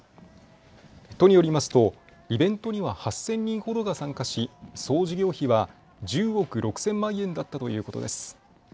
都によりますとイベントには８０００人ほどが参加し総事業費は１０億６０００万円だったということです。